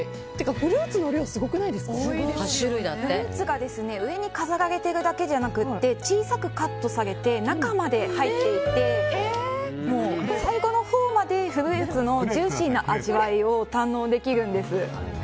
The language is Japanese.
フルーツが上に飾られてるだけじゃなくて小さくカットされて中まで入っていて最後のほうまでフルーツのジューシーな味わいを堪能できるんです。